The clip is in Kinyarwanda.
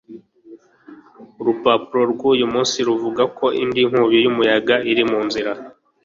Urupapuro rwuyu munsi ruvuga ko indi nkubi y'umuyaga iri mu nzira.